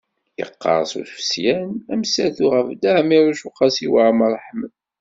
Iqqerṣ ufesyan amsaltu ɣef Dda Ɛmiiruc u Qasi Waɛmer n Ḥmed.